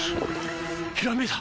ひらめいた！